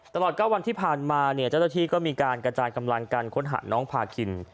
ตลอด๙วันที่ผ่านมาเนี่ยเจ้าหน้าที่ก็มีการกระจายกำลังการค้นหาน้องพาคิน